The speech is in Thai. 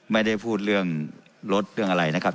ไม่ได้พูดเรื่องรถเรื่องอะไรนะครับ